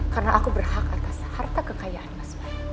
karena aku berhak atas harta kekayaan mas wai